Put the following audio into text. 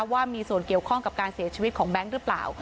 ว่ามีส่วนเกี่ยวข้องกับการเสียชีวิตของแบงค์หรือเปล่า